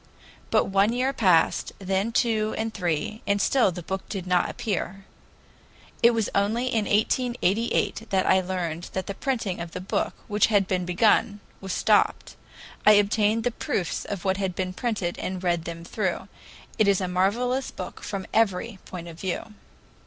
But one year passed, then two and three, and still the book did not appear. It was only in 1888 that I learned that the printing of the book, which had been begun, was stopped. I obtained the proofs of what had been printed and read them through. It is a marvelous book from every point of view.